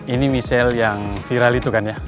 ini michelle yang viral itu kan ya